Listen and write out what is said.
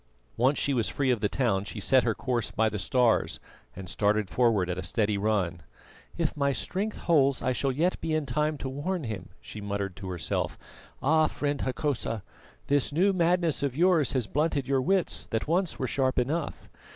Once she was free of the town, she set her course by the stars and started forward at a steady run. "If my strength holds I shall yet be in time to warn him," she muttered to herself. "Ah! friend Hokosa, this new madness of yours has blunted your wits that once were sharp enough.